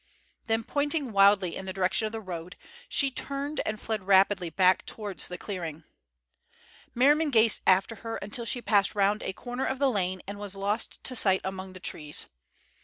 Then pointing wildly in the direction of the road, she turned and fled rapidly back towards the clearing. Merriman gazed after her until she passed round a corner of the lane and was lost to sight among the trees.